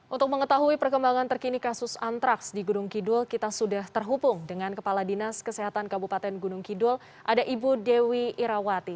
untuk mengetahui perkembangan terkini kasus antraks di gunung kidul kita sudah terhubung dengan kepala dinas kesehatan kabupaten gunung kidul ada ibu dewi irawati